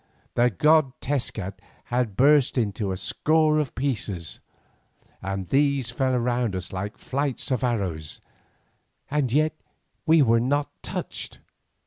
The god Tezcat had burst into a score of pieces, and these fell round us like a flight of arrows, and yet we were not touched.